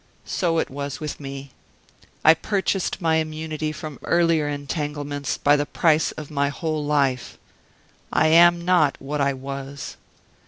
So it was with me. I purchased my immunity from earlier entanglements by the price of my whole life. I am not what I was.